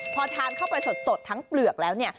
พอทานเข้าไปสดทั้งเปลือกแล้วเนี่ย